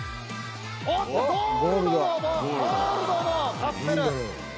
おっと、ゴールドの、ゴールドのカプセル。